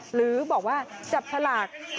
หรือบอกว่าจับฉลาก